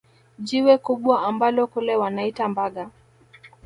Jiwe kubwa ambalo kule wanaita Mbaga